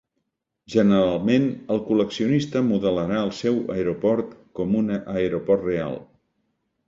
Generalment, el col·leccionista modelarà el seu aeroport com un aeroport real.